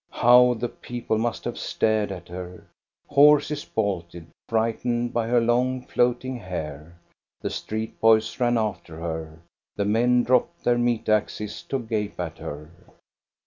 How the people must have stared at her ! Horses bolted, frightened by her long, floating hair. The street boys ran after her. The men dropped their meat axes to gape at her.